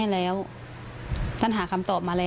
เรียกว่า๑๐๐หรอ